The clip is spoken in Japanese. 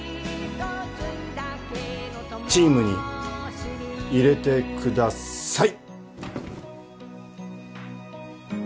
チームに入れてください！